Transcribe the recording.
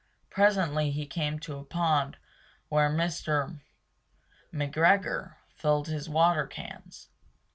Presently he came to a pond where Mr. McGregor filled his water cans.